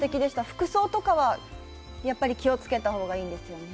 服装とかは、やっぱり気をつけたほうがいいんですよね。